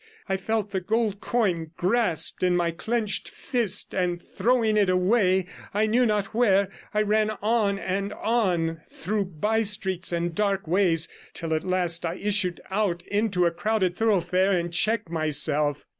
I felt the gold coin grasped in my clenched fist, and throwing it away, I knew not where, I ran on and on through by streets and dark ways, till at last I issued out into a crowded thoroughfare and checked myself.